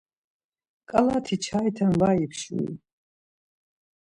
Ǩalati çaiten var ipşui?